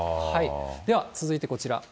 では続いてこちら。